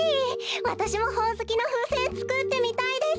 わたしもほおずきのふうせんつくってみたいです。